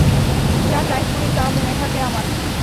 যা টাইপ করি তা মনে থাকে আমার।